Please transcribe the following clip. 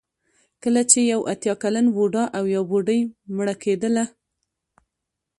کله چې یو اتیا کلن بوډا او یا بوډۍ مړه کېدله.